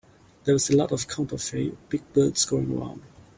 There's a lot of counterfeit big bills going around.